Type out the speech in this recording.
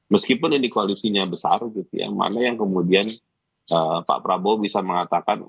meskipun ini koalisinya besar gitu ya mana yang kemudian pak prabowo bisa mengatakan